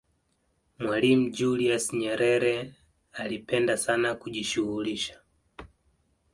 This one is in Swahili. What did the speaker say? mwalimu julius nyerere alipenda sana kujishughulisha